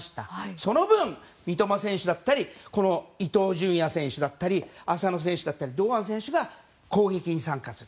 その分、三笘選手だったり伊東純也選手だったり浅野選手だったり堂安選手たちが攻撃に参加する。